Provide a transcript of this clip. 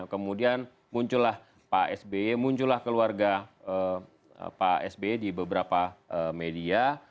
kemudian muncullah pak sby muncullah keluarga pak sby di beberapa media